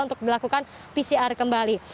untuk dilakukan pcr kembali